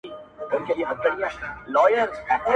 • موږ مین په رڼا ګانو؛ خدای راکړی دا نعمت دی..